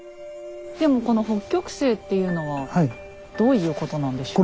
でもこの北極星っていうのはどういうことなんでしょう？